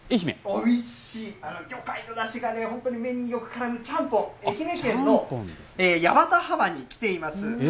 おいしい魚介のだしがね、本当に麺によくからむちゃんぽん、愛媛県の八幡浜に来ています。